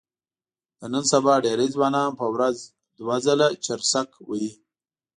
د نن سبا ډېری ځوانان په ورځ دوه ځله چرسک وهي.